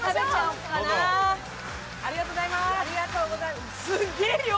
ありがとうございます。